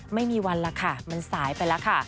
ไม่มีวันแล้วค่ะมันสายไปแล้วค่ะ